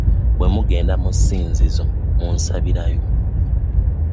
Bwe mugenda mu ssinzizo munsabirayo.